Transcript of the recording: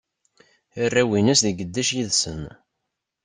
Arraw-ines di geddac yid-sen.